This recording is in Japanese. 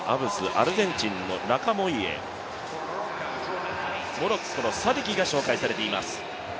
アルゼンチンのラカモイレ、モロッコのサディキが紹介されています。